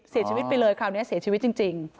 เสียชีวิตไปเลยคราวนี้เสียชีวิตจริง